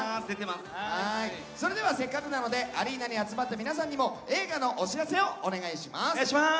では、せっかくなのでアリーナに集まった皆さんにも映画のお知らせをお願いします。